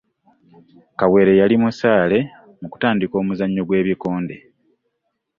Kawere yali mu saale mu kutandika omuzannyo gwe bikonde.